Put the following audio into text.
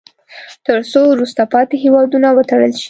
تر څو وروسته پاتې هیوادونه وتړل شي.